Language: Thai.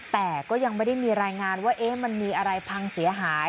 แต่ก็ยังไม่ได้มีรายงานว่ามันมีอะไรพังเสียหาย